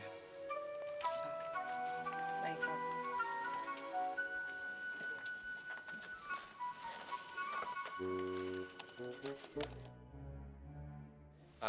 oke baik pak